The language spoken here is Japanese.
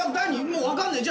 もう分かんない。